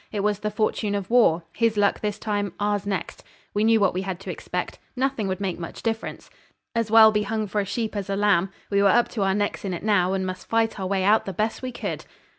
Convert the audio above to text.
It was the fortune of war; his luck this time, ours next. We knew what we had to expect. Nothing would make much difference. 'As well be hung for a sheep as a lamb.' We were up to our necks in it now, and must fight our way out the best way we could.